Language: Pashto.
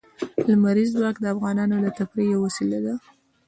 لمریز ځواک د افغانانو د تفریح یوه وسیله ده.